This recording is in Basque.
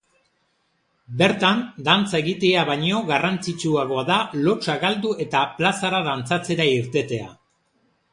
Bertan, dantza egitea baino garrantzitsuagoa da lotsa galdu eta plazara dantzatzera irtetea.